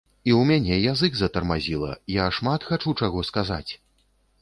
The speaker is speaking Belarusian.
І ў мяне язык затармазіла, я шмат хачу чаго сказаць.